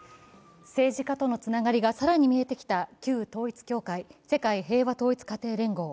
政治家とのつながりが更に見えてきた旧統一教会、世界平和統一家庭連合。